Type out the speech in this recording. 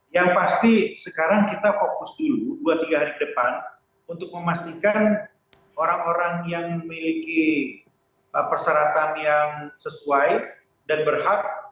yang pasti sekarang kita fokus dulu dua tiga hari ke depan untuk memastikan orang orang yang memiliki persyaratan yang sesuai dan berhak